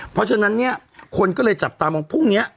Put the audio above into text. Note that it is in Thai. เพราะฉะนั้นเนี่ยคนก็เลยจับตามองพรุ่งนี้